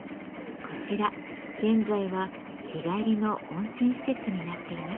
こちら現在は日帰りの温泉施設になっています。